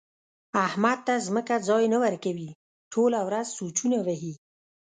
احمد ته ځمکه ځای نه ورکوي؛ ټوله ورځ سوچونه وهي.